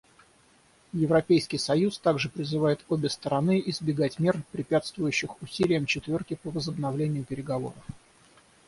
Европейский союз также призывает обе стороны избегать мер, препятствующих усилиям «четверки» по возобновлению переговоров.